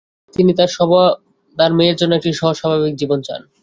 তিনি তাঁর মেয়ের জন্যে একটি সহজ স্বাভাবিক জীবন চান।